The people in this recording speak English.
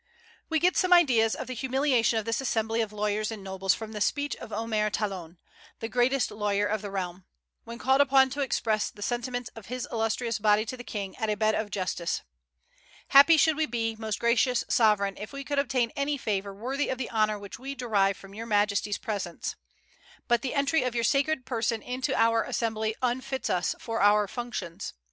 We get some idea of the humiliation of this assembly of lawyers and nobles from the speech of Omer Talon, the greatest lawyer of the realm, when called upon to express the sentiments of his illustrious body to the King, at a "bed of justice": "Happy should we be, most gracious sovereign, if we could obtain any favor worthy of the honor which we derive from your majesty's presence; but the entry of your sacred person into our assembly unfits us for our functions.